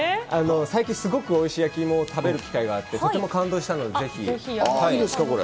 最近、すごくおいしい焼き芋を食べる機会があって、とても感いいですか、これ。